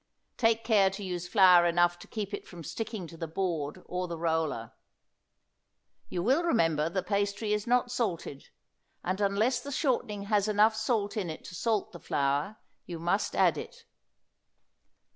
Take care to use flour enough to keep it from sticking to the board or the roller. You will remember the pastry is not salted and unless the shortening has enough salt in it to salt the flour, you must add it.